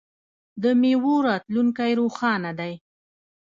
د میوو راتلونکی روښانه دی.